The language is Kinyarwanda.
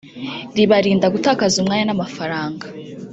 ribarinda gutakaza umwanya n’amafaranga